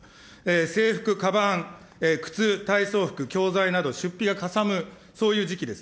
制服、かばん、靴、体操服、教材など、出費がかさむ、そういう時期です。